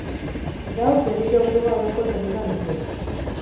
Gaur berriro greba orokor eguna dute.